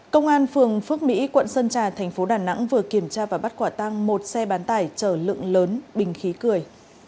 công an phường phước mỹ quận sơn trà thành phố đà nẵng vừa kiểm tra và bắt quả tăng một xe bán tải chở lượng lớn bình khí cười